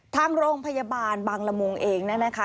ทางโรงพยาบาลบางละมงเองนะคะ